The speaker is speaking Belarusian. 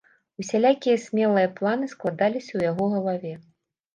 Усялякія смелыя планы складаліся ў яго галаве.